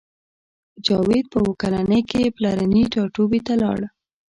جاوید په اوه کلنۍ کې پلرني ټاټوبي ته لاړ